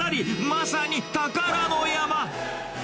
まさに宝の山。